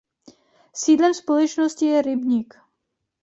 Sídlem společnosti je Rybnik.